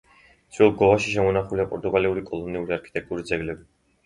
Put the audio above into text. ძველ გოაში შემონახულია პორტუგალიური კოლონიალური არქიტექტურის ძეგლები.